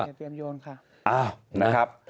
อ้าวนะครับ